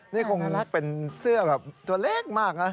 นี่คงเป็นเสื้อตัวเล็กมากนะ